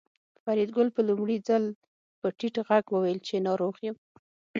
فریدګل په لومړي ځل په ټیټ غږ وویل چې ناروغ یم